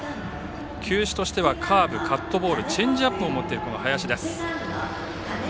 球種としてはカーブ、カットボールチェンジアップを持っている林。